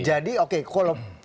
jadi oke kalau